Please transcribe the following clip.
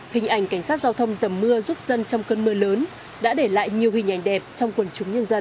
hình ảnh cảnh sát giao thông dầm mưa giúp dân trong cơn mưa lớn đã để lại nhiều hình ảnh đẹp trong quần chúng nhân dân